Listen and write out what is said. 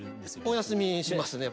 お休みしますね。